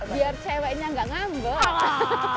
biar ceweknya gak ngambek